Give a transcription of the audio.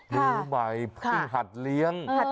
มือใหม่ที่หัดเลี้ยง